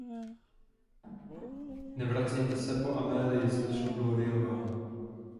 Nevracejte se po Amélii, Slečno Gloryová.